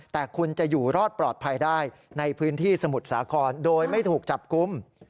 แต่คุณจะอยู่รอดปลอดภัยได้ในพื้นที่สมุทรสาครโดยไม่ถูกจับกลุ่ม